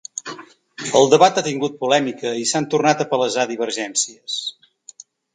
El debat ha tingut polèmica i s’han tornat a palesar divergències.